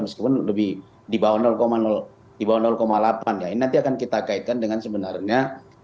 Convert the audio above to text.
meskipun lebih di bawah delapan ya ini nanti akan kita kaitkan dengan sebenarnya